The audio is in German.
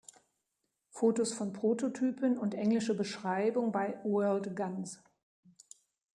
Fotos von Prototypen und englische Beschreibung bei "World Guns"